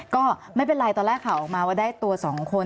ก็ไม่เป็นไรตอนแรกข่าวออกมาว่าได้ตัว๒คน